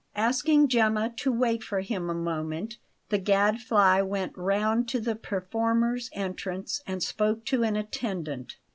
Asking Gemma to wait for him a moment, the Gadfly went round to the performers' entrance, and spoke to an attendant.